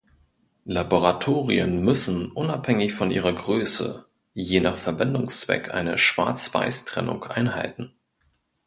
Laboratorien müssen, unabhängig von ihrer Größe, je nach Verwendungszweck eine Schwarz-Weiß-Trennung einhalten.